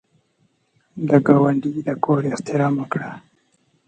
د ګاونډي د کور احترام وکړه